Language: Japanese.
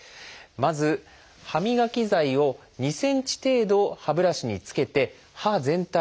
まず歯磨き剤を２ｃｍ程度歯ブラシにつけて歯全体に塗ります。